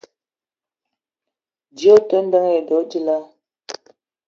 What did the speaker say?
Djeue ote ndeng edo djila?